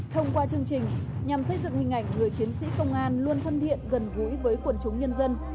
thông qua chương trình nhằm xây dựng hình ảnh người chiến sĩ công an luôn thân thiện gần gũi với quần chúng nhân dân